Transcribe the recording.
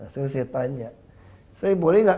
saya tanya saya boleh gak